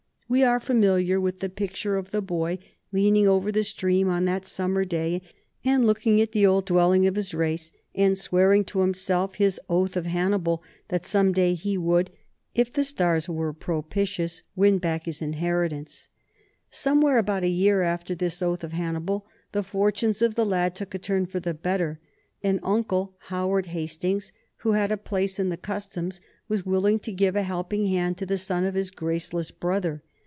We are familiar with the picture of the boy leaning over the stream on that summer day, and looking at the old dwelling of his race, and swearing to himself his oath of Hannibal that some day he would, if the stars were propitious, win back his inheritance. [Sidenote: 1750 Warren Hastings's early life] Somewhere about a year after this oath of Hannibal the fortunes of the lad took a turn for the better. An uncle, Howard Hastings, who had a place in the Customs, was willing to give a helping hand to the son of his graceless brother.